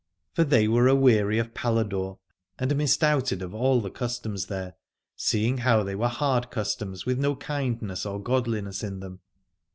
For they were aweary of Paladore and misdoubted of all the customs there, seeing how they were hard customs with no kindness or godliness in them.